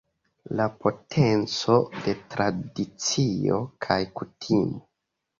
La potenco de tradicio kaj kutimo.